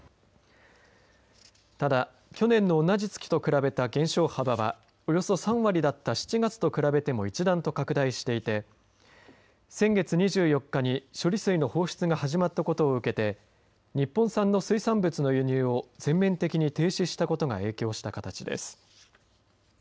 ただ、去年の同じ月と比べた減少幅はおよそ３割だった７月と比べても一段と拡大していて先月２４日に処理水の放出が始まったことを受けて日本産の水産物の輸入を全面的に停止したことが影響した形です。